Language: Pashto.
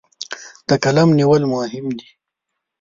د قلم نیول مهم دي.